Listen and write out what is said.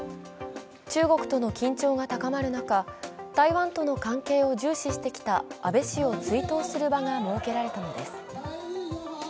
中国との緊張が高まる中、台湾との関係を重視してきた安倍氏を追悼する場が設けられたのです。